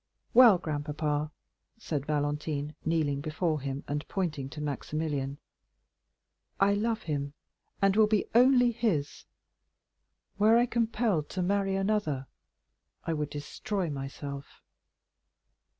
"Well, grandpapa," said Valentine, kneeling before him, and pointing to Maximilian, "I love him, and will be only his; were I compelled to marry another, I would destroy myself."